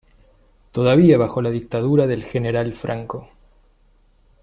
Todavía bajo la dictadura del General Franco.